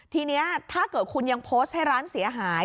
ทีนี้ถ้าเกิดคุณยังโพสต์ให้ร้านเสียหาย